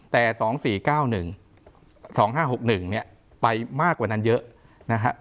แต่๒๔๙๑๒๕๖๑เนี่ยไปมากกว่านั้นเยอะนะฮะ